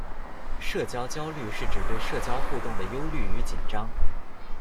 社交焦虑是指对社交互动的忧虑与紧张。